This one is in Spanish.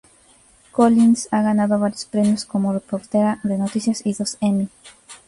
Collins ha ganado varios premios como reportera de noticias, y dos Emmy.